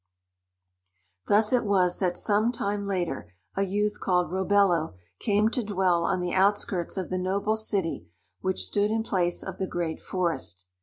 Thus it was that some time later a youth called Robello came to dwell on the outskirts of the noble city which stood in place of the great forest.